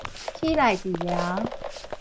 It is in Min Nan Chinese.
齒內治療